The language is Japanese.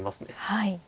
はい。